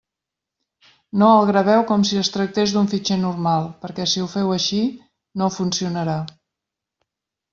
No el graveu com si es tractés d'un fitxer normal, perquè si ho feu així NO FUNCIONARÀ.